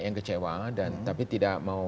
yang kecewa dan tapi tidak mau